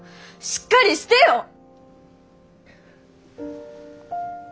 しっかりしてよ！